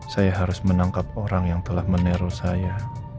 saya harus menangkap orang yang telah menero saya